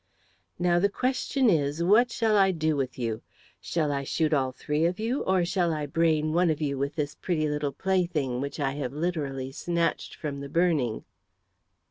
"Now, the question is, what shall I do with you? Shall I shoot all three of you or shall I brain one of you with this pretty little play thing, which I have literally snatched from the burning?"